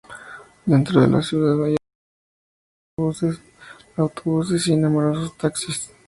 Dentro de la ciudad hay autobuses y trolebuses, autobuses y numerosos taxis.